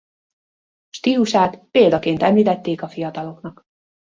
Stílusát példaként említették a fiataloknak.